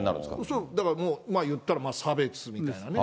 そう、だからもう、いったら差別みたいなね。